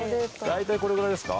大体これぐらいですか？